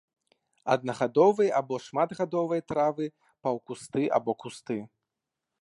Аднагадовыя або шматгадовыя травы, паўкусты або кусты.